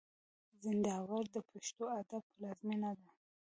زينداور د پښتو ادب پلازمېنه ده.